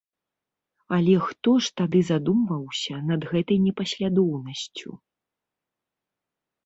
Але хто ж тады задумваўся над гэтай непаслядоўнасцю?